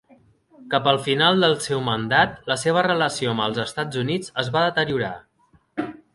Cap al final del seu mandat, la seva relació amb els Estats Units es va deteriorar.